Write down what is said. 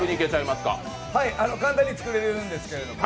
簡単に作れるんですけど。